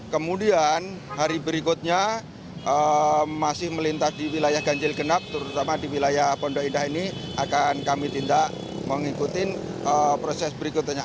kemudian hari berikutnya masih melintas di wilayah ganjil genap terutama di wilayah pondok indah ini akan kami tindak mengikuti proses berikutnya